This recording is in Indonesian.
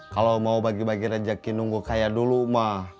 kalau mau bagi bagi rezeki nunggu kaya dulu mah